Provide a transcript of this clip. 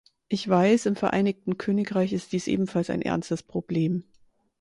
Ich weiß, im Vereinigten Königreich ist dies ebenfalls ein ernstes Problem.